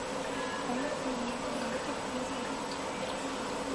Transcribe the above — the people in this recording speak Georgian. რა მოხდება რომ დავამატოთ ამას ათი?